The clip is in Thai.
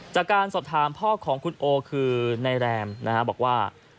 จากการสอบถามพ่อของคุณโอคือในแรมนะฮะบอกว่า